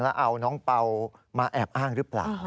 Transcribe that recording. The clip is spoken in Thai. แล้วเอาน้องเป่ามาแอบอ้างหรือเปล่า